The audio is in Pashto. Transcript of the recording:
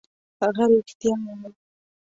هغه رښتیا وايي.